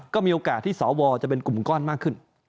ก็มีโอกาสที่สวจะเป็นกลุ่มก้อนมากขึ้น